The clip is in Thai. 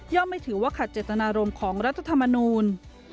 ไม่ถือว่าขัดเจตนารมณ์ของรัฐธรรมนูล